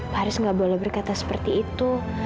pak haris gak boleh berkata seperti itu